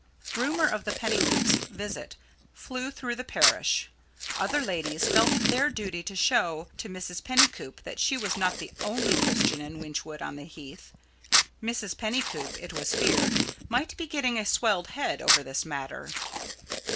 Rumour of the Pennycoops' visit flew through the parish. Other ladies felt it their duty to show to Mrs. Pennycoop that she was not the only Christian in Wychwood on the Heath. Mrs. Pennycoop, it was feared, might be getting a swelled head over this matter.